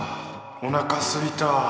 おなかすいたぁ。